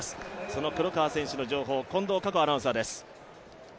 その黒川選手の情報を近藤夏子アナウンサーです。